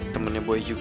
temennya bu nokia juga